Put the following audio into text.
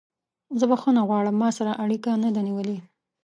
زه بخښنه غواړم ما سره اړیکه نه ده نیولې.